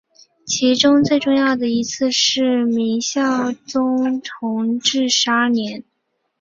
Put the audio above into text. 其中最重要的一次是明孝宗弘治十二年。